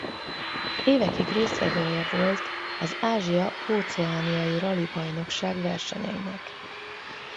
Évekig résztvevője volt az ázsia–óceániai ralibajnokság versenyeinek.